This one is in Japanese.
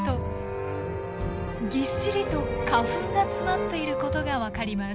ぎっしりと花粉が詰まっていることが分かります。